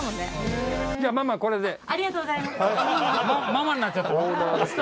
ママになっちゃった。